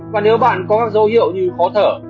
và nếu bạn có các dấu hiệu như khó thở